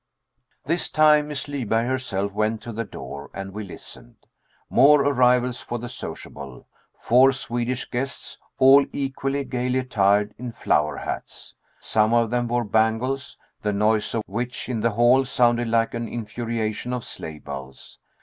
This time Miss Lyberg herself went to the door, and we listened. More arrivals for the sociable; four Swedish guests, all equally gaily attired in flower hats. Some of them wore bangles, the noise of which, in the hall, sounded like an infuriation of sleigh bells.